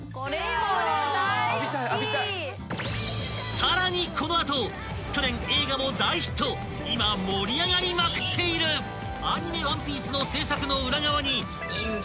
［さらにこの後去年映画も大ヒット今盛り上がりまくっているアニメ『ワンピース』の制作の裏側に］